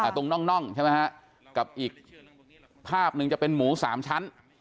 ตรงน่องกับอีกภาพหนึ่งจะเป็นหมูสามชั้น